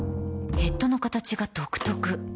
ヘッドの形が独特